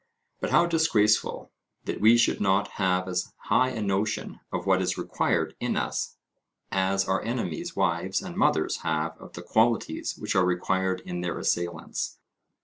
But how disgraceful, that we should not have as high a notion of what is required in us as our enemies' wives and mothers have of the qualities which are required in their assailants!